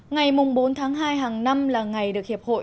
ngày bốn tháng hai hàng năm là ngày được hiệp hội